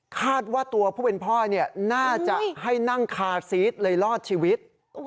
คาดว่าตัวผู้เป็นพ่อน่าจะให้นั่งคาซีสเลยรอดชีวิต